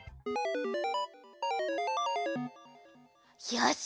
よし！